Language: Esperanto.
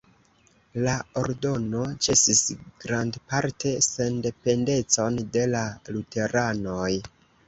La ordono ĉesis grandparte sendependecon de la luteranoj.